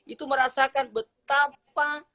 itu merasakan betapa